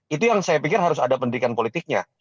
itu yang saya pikir harus ada pendidikan politiknya